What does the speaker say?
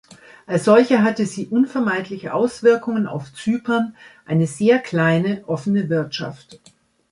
Als solche hatte sie unvermeidliche Auswirkungen auf Zypern, eine sehr kleine, offene Wirtschaft.